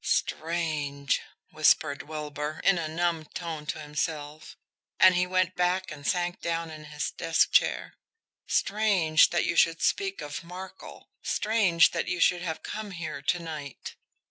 "Strange!" whispered Wilbur, in a numbed tone to himself; and he went back and sank down in his desk chair. "Strange that you should speak of Markel strange that you should have come here to night!"